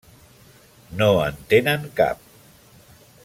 No en tenen cap.